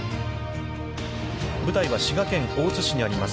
舞台は滋賀県大津市にあります